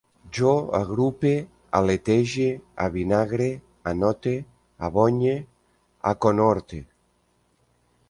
Jo agrupe, aletege, avinagre, anote, abonye, aconhorte